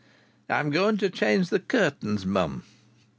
"I'm going to change the curtains, mum."